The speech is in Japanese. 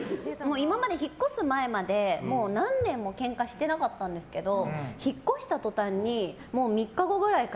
今まで引っ越す前まで、何年もケンカしてなかったんですけど。